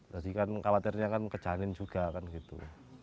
jadi kan khawatirnya kan kejanin juga kan gitu